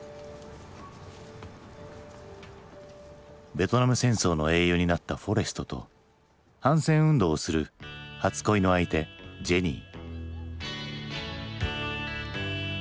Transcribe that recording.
ベトナム戦争の英雄になったフォレストと反戦運動をする初恋の相手ジェニー。